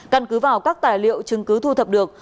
căn cứ vào các tài liệu chứng cứ thu thập được